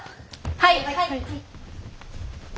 はい！